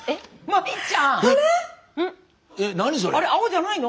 あれ青じゃないの？